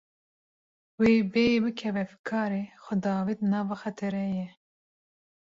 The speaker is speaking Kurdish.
Wî bêyî bikeve fikarê xwe diavêt nava xetereyê.